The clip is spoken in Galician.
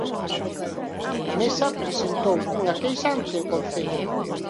A Mesa presentou unha queixa ante o Concello.